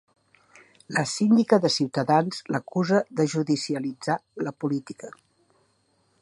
La síndica de Ciutadans l'acusa de judicialitzar la política.